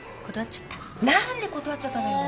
何で断っちゃったのよ？